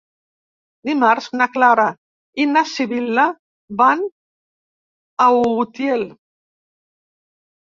Dimarts na Clara i na Sibil·la van a Utiel.